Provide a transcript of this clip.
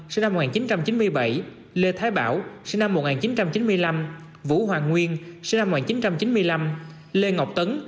sinh năm một nghìn chín trăm chín mươi bảy lê thái bảo sinh năm một nghìn chín trăm chín mươi năm vũ hoàng nguyên sinh năm một nghìn chín trăm chín mươi năm lê ngọc tấn